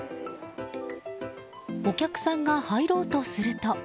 お客さんが入ろうとすると。